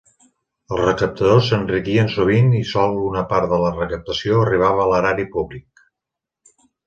Els recaptadors s'enriquien sovint i sol una part de la recaptació arribava a l'erari públic.